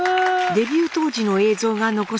デビュー当時の映像が残されていました。